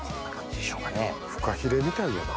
フカヒレみたいやな。